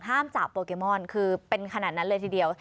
จากโปเกมอนคือเป็นขนาดนั้นเลยทีเดียว